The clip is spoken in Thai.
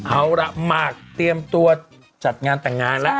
เอาล่ะมากเตรียมตัวจัดงานแต่งงานแล้ว